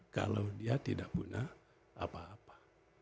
kalau dia tidak punya apa apa